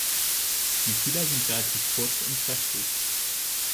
Die Fühler sind relativ kurz und kräftig.